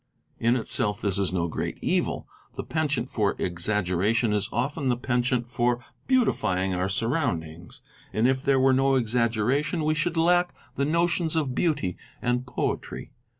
In itself this is no great evil; the penchant for exag geration is often the penchant for beautifying our surroundings; and if there were no exaggeration we should lack the notions of beauty and poetry.